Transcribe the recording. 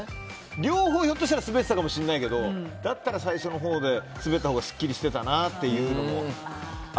両方スベってたかもしれないけどだったら最初のほうでスベったほうがすっきりしてたなというのもある。